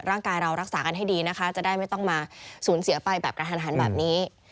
ร่างกายเรารักษากันให้ดีนะคะจะได้ไม่ต้องมาสูญเสียไปแบบกระทันหันแบบนี้